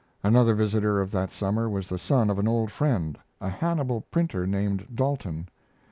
Another visitor of that summer was the son of an old friend, a Hannibal printer named Daulton.